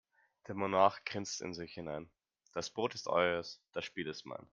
Der Monarch grinst in sich hinein: Das Brot ist eures, das Spiel ist mein.